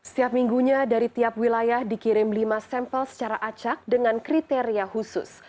setiap minggunya dari tiap wilayah dikirim lima sampel secara acak dengan kriteria khusus